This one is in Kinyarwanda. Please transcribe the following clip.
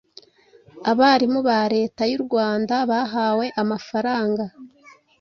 Abarimu bareta yurwanda bahawe amafaranga